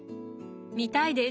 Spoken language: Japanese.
見たいです！